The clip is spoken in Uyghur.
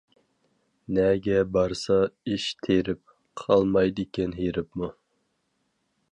نەگە بارسا ئىش تېرىپ، قالمايدىكەن ھېرىپمۇ.